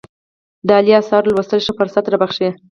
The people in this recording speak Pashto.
د عالي آثارو لوستل ښه فرصت رابخښي.